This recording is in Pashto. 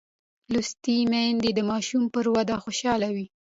لوستې میندې د ماشوم پر ودې خوشحاله وي.